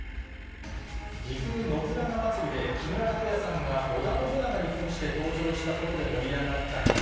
ぎふ信長まつりで、木村拓哉さんが織田信長に扮して登場したことで盛り上がった岐阜